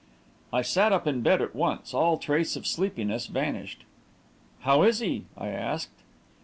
I sat up in bed at once, all trace of sleepiness vanished. "How is he?" I asked.